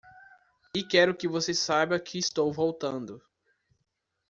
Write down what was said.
E quero que você saiba que estou voltando.